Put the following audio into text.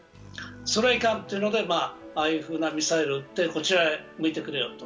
それはいかんというのでああいうふうなミサイル撃ってこちらへ向いてくれよと。